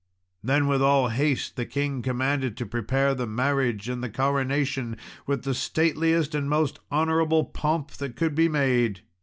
Then, in all haste, the king commanded to prepare the marriage and the coronation with the stateliest and most honourable pomp that could be made.